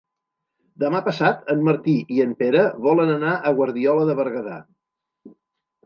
Demà passat en Martí i en Pere volen anar a Guardiola de Berguedà.